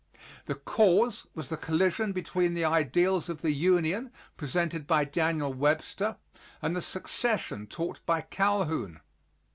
The cause was the collision between the ideals of the Union presented by Daniel Webster and the secession taught by Calhoun.